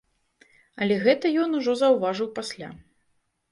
Але гэта ён ужо заўважыў пасля.